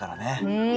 うん。